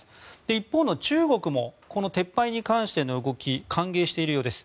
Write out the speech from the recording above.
一方の中国もこの撤廃に関しての動き歓迎しているようです。